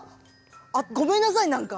あっごめんなさいなんか。